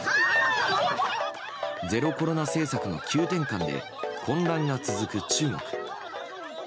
ゼロコロナ政策の急転換で混乱が続く中国。